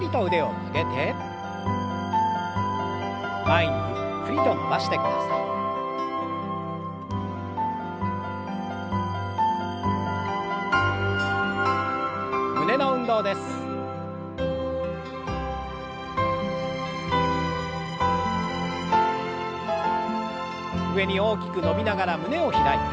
上に大きく伸びながら胸を開いて。